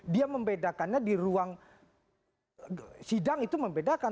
dia membedakannya di ruang sidang itu membedakan